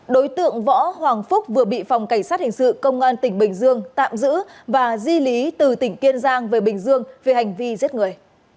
đối tượng võ hoàng phúc vừa bị phòng cảnh sát hình sự công an tỉnh bình dương tạm giữ và di lý từ tỉnh kiên giang về bình dương về hành vi giết người